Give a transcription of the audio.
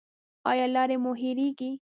ایا لارې مو هیریږي؟